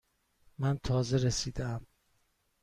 من تازه رسیده ام.